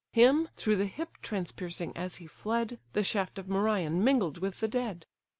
Him, through the hip transpiercing as he fled, The shaft of Merion mingled with the dead.